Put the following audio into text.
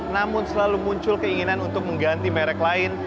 namun selalu muncul keinginan untuk mengganti merek lain